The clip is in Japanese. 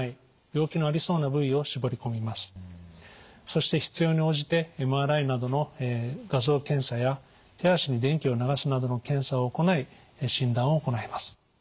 そして必要に応じてＭＲＩなどの画像検査や手足に電気を流すなどの検査を行い診断を行います。